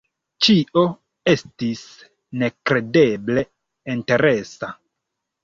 Ĉio estis nekredeble interesa.